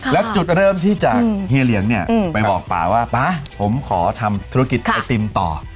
แล้วจุดเริ่มที่จากเฮียเหลียงเนี่ยไปบอกป่าว่าป๊าผมขอทำธุรกิจไอติมต่อ